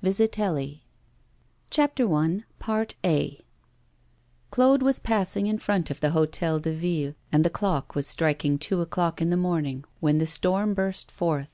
HIS MASTERPIECE I CLAUDE was passing in front of the Hôtel de Ville, and the clock was striking two o'clock in the morning when the storm burst forth.